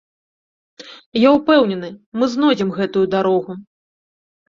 Я ўпэўнены, мы знойдзем гэтую дарогу.